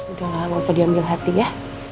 udah lah nggak usah diambil hati ya